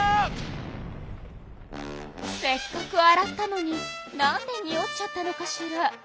せっかく洗ったのになんでにおっちゃったのかしら？